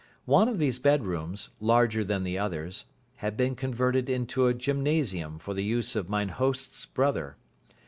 One of these bedrooms, larger than the others, had been converted into a gymnasium for the use of mine host's brother.